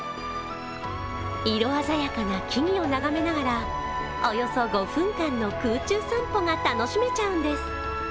色鮮やかな木々を眺めながらおよそ５分間の空中散歩が楽しめちゃうんです。